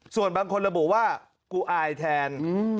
ส่วนบางคนระบุว่ากูอายแทน